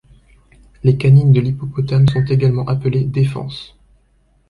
Les canines de l'hippopotame sont également appelées défenses.